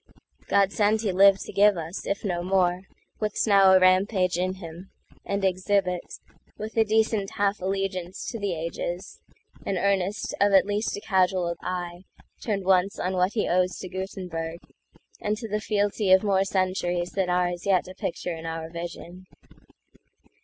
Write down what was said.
God send he live to give us, if no more, What now's a rampage in him, and exhibit, With a decent half allegiance to the agesAn earnest of at least a casual eyeTurned once on what he owes to Gutenberg, And to the fealty of more centuriesThan are as yet a picture in our vision.